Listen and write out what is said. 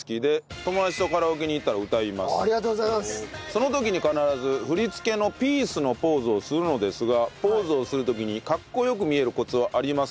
その時に必ず振り付けのピースのポーズをするのですがポーズをする時にかっこよく見えるコツはありますか？